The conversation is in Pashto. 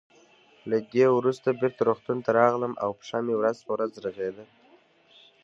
له دې وروسته بېرته روغتون ته راغلم او پښه مې ورځ په ورځ رغېده.